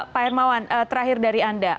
pak hermawan terakhir dari anda